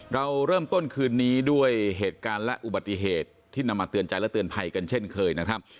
เราเริ่มต้นคืนนี้ด้วยเหตุการณ์และอุบัติเหตุที่นำมาเตือนใจและเตือนภัยกันเช่นเคยนะครับ